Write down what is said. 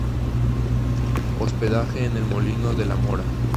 Hospedaje en El Molino de la Mora.